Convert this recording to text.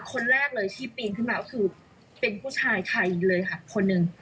คนแรกเลยที่ปีนขึ้นมาก็คือเป็นผู้ชายไทยเลยค่ะคนหนึ่ง